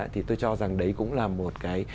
thì tôi cho rằng đấy cũng là một cái